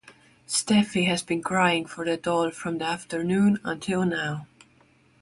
Steffi has been crying for the doll from the afternoon until now.